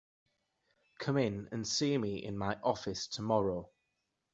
Come in and see me in my office tomorrow.